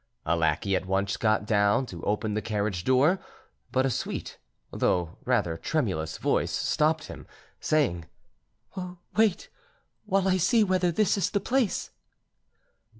A lackey at once got down to open the carriage door; but a sweet, though rather tremulous voice stopped him, saying, "Wait, while I see whether this is the place."